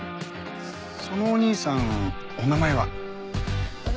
そのお兄さんお名前は？